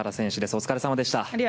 お疲れさまでした。